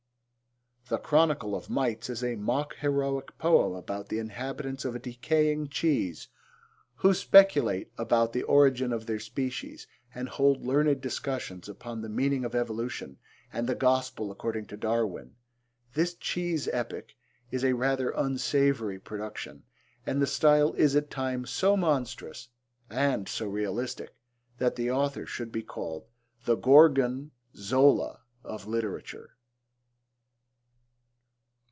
The Chronicle of Mites is a mock heroic poem about the inhabitants of a decaying cheese who speculate about the origin of their species and hold learned discussions upon the meaning of evolution and the Gospel according to Darwin. This cheese epic is a rather unsavoury production and the style is at times so monstrous and so realistic that the author should be called the Gorgon Zola of literature.